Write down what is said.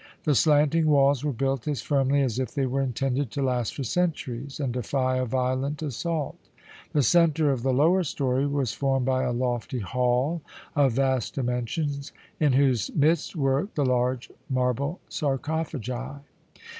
The slanting walls were built as firmly as if they were intended to last for centuries and defy a violent assault. The centre of the lower story was formed by a lofty hall of vast dimensions, in whose midst were the large marble sarcophagi.